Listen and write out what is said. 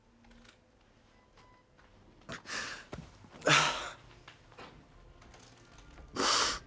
ああ。